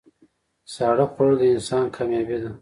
ساړه خوړل د انسان کامیابي ده.